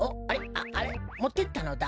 ああれ？もってったのだ？